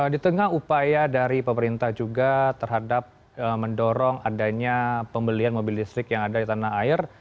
di tengah upaya dari pemerintah juga terhadap mendorong adanya pembelian mobil listrik yang ada di tanah air